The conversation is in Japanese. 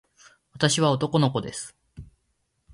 私は男の子です。